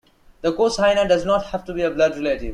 The co-signer does not have to be a blood relative.